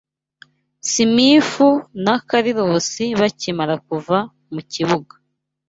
Simifu na Carilosi bakimara kuva mu kibuga